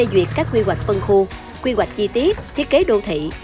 duyệt các quy hoạch phân khu quy hoạch chi tiết thiết kế đô thị